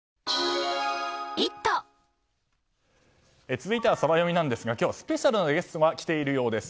続いてはソラよみなんですが今日はスペシャルなゲストが来ているようです。